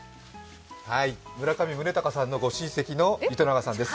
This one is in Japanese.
村上宗隆さんのご親戚の糸永さんです。